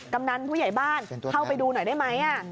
กำนันผู้ใหญ่บ้านเข้าไปดูหน่อยได้ไหม